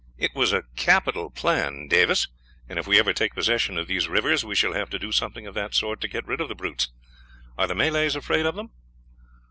"It was a capital plan, Davis, and if we ever take possession of these rivers, we shall have to do something of that sort to get rid of the brutes. Are the Malays afraid of them?"